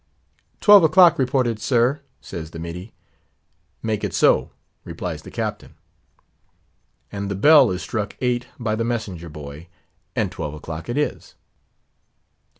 "Twelve o'clock reported, sir," says the middy. "Make it so," replies the captain. And the bell is struck eight by the messenger boy, and twelve o'clock it is.